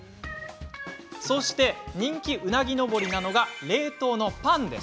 そして人気うなぎ登りなのが冷凍のパン。